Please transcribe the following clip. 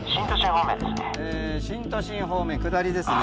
え新都心方面下りですね。